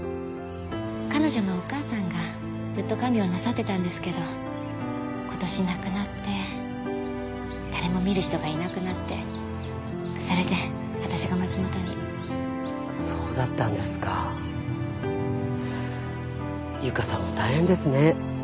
彼女のお母さんがずっと看病なさってたんですけど今年亡くなって誰も見る人がいなくなってそれで私が松本にそうだったんですか由香さんも大変ですね